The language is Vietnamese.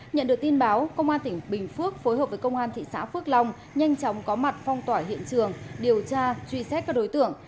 nhận được tin báo công an tỉnh bình phước phối hợp với công an thị xã phước long nhanh chóng có mặt phong tỏa hiện trường điều tra truy xét các đối tượng